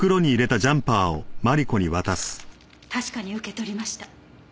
確かに受け取りました。